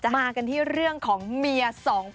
มากันที่เรื่องของเมียสองคน